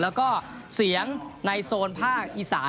แล้วก็เสียงในโซนภาคอีสาน